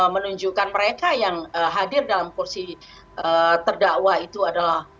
menunjukkan mereka yang hadir dalam kursi terdakwa itu adalah